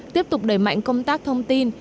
tiếp tục đẩy mạnh công tác thông tin